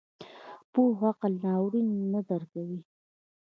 پوخ عقل ناورین درکوي